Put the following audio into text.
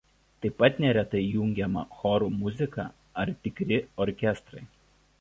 Taip pat neretai įjungiama chorų muzika ar tikri orkestrai.